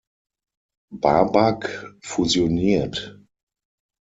Babak fusioniert.